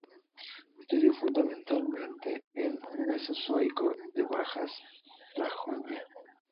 Estudió fundamentalmente el Mesozoico de Baja Sajonia.